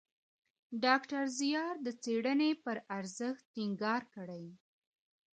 ډاکټر زیار د څېړني پر ارزښت ټینګار کړی.